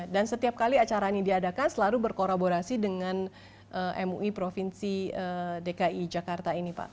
dan setiap kali acara ini diadakan selalu berkolaborasi dengan mui provinsi dki jakarta ini pak